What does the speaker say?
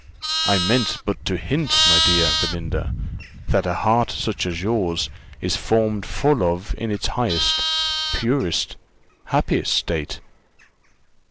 I meant but to hint, my dear Belinda, that a heart such as yours is formed for love in its highest, purest, happiest state."